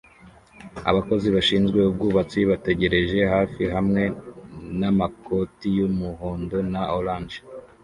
Abakozi bashinzwe ubwubatsi bategereje hafi hamwe namakoti yumuhondo na orange